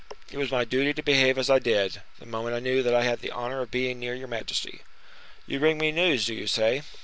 "It was my duty to behave as I did, the moment I knew that I had the honor of being near your majesty." "You bring me news, do you say?"